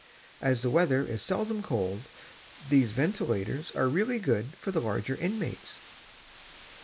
As the weather is seldom cold, these ventilators are really good for the larger inmates.